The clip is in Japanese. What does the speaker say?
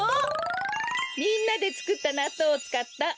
みんなでつくったなっとうをつかったおりょうりですよ。